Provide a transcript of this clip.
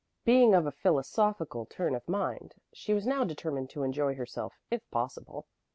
Being of a philosophical turn of mind, she was now determined to enjoy herself, if possible.